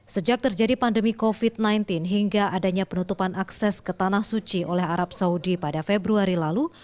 sejak terjadi pandemi covid sembilan belas hingga adanya penutupan akses ke tanah suci oleh arab saudi pada februari lalu